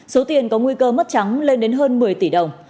số tiền có nguy cơ mất trắng lên đến hơn một mươi tỷ đồng